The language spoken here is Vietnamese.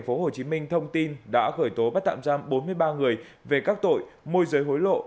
tp hcm thông tin đã khởi tố bắt tạm giam bốn mươi ba người về các tội môi giới hối lộ